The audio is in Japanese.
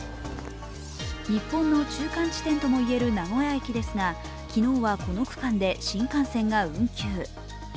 日本の中間地点とも言える名古屋駅ですが昨日はこの区間で新幹線が運休。